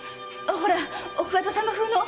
ほら奥方様風の。